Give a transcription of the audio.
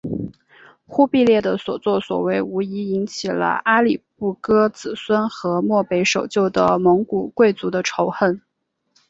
忽必烈的所做所为无疑引起了阿里不哥子孙和漠北守旧的蒙古贵族的仇恨。